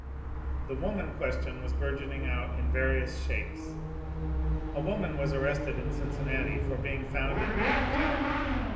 The Woman question was bourgeoning out in various shapes. A woman was arrested in Cincinnati for being found in male attire.